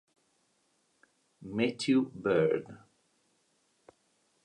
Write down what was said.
Matthew Beard